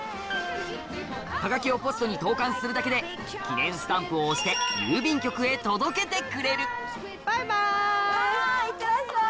はがきをポストに投函するだけで記念スタンプを押して郵便局へ届けてくれるバイバイ。